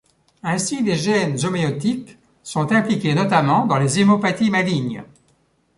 Ainsi, les gènes homéotiques sont impliqués notamment dans les hémopathies malignes.